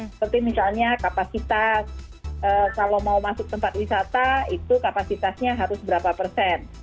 seperti misalnya kapasitas kalau mau masuk tempat wisata itu kapasitasnya harus berapa persen